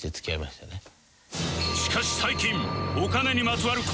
しかし最近